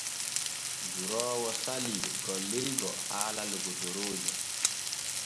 Duroowo salii gillirgo haala lokotoroojo.